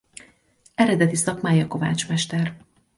Eredeti szakmája kovácsmester.